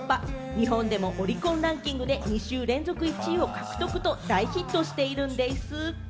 日本でもオリコンランキングで２週連続１位を獲得と大ヒットしているんでぃす。